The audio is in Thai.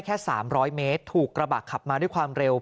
แค่๓๐๐เมตรถูกกระบะขับมาด้วยความเร็ว